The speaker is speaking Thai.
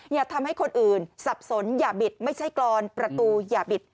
อย่าทำให้คนอื่นสับสนอย่าบิดไม่ใช่กรอนประตูอย่าบิด